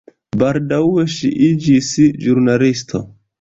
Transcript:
Baldaŭe ŝi iĝis ĵurnalisto.